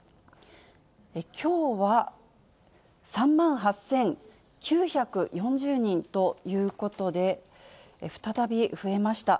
きょうは３万８９４０人ということで、再び増えました。